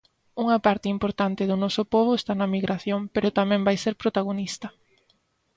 Unha parte importante do noso pobo está na emigración, pero tamén vai ser protagonista.